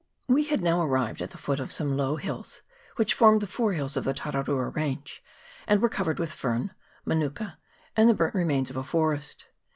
We had now arrived at the foot of some low hills, which formed the fore hills of the Tararua range, and were covered with fern, manuka, and the burnt remains of a forest.